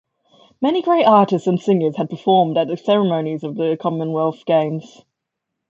Many great artists and singers had performed at the ceremonies of the Commonwealth Games.